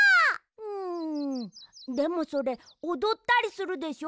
うんでもそれおどったりするでしょ？